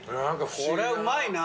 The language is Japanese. これうまいな。